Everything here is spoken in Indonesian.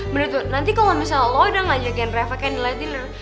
menurut gue nanti kalo misalnya lo udah ngajakin reva candlelight dinner